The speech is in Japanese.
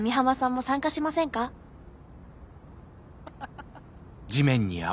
ハハハ。